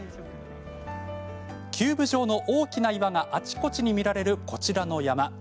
キューブ状の大きな岩があちこちに見られる、こちらの山。